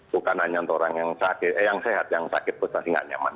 bukan hanya untuk orang yang sakit yang sehat yang sakit tetapi tidak nyaman